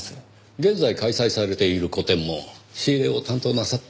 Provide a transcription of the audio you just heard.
現在開催されている個展も仕入れを担当なさった？